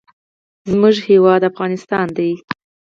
زموږ هیواد افغانستان دی.